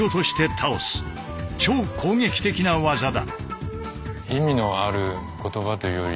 超攻撃的な技だ。